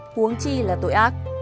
huống chi là tội ác